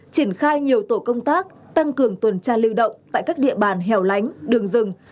triển khai nhiều tổ công tác tăng cường tuần tra lưu động tại các địa bàn hẻo lánh đường rừng